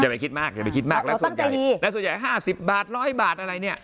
อย่าไปคิดมากอย่าไปคิดมากแล้วตั้งใจดีแล้วส่วนใหญ่ห้าสิบบาทร้อยบาทอะไรเนี่ย